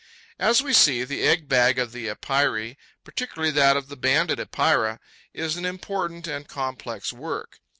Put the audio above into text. As we see, the egg bag of the Epeirae, particularly that of the Banded Epeira, is an important and complex work.